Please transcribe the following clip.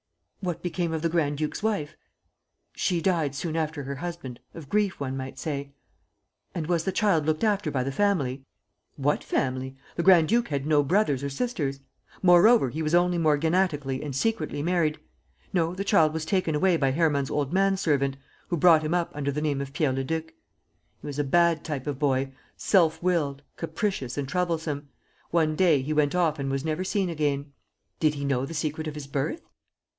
"What became of the grand duke's wife?" "She died soon after her husband, of grief, one might say." "And was the child looked after by the family?" "What family? The grand duke had no brothers or sisters. Moreover, he was only morganatically and secretly married. No, the child was taken away by Hermann's old man servant, who brought him up under the name of Pierre Leduc. He was a bad type of boy, self willed, capricious and troublesome. One day, he went off and was never seen again." "Did he know the secret of his birth?"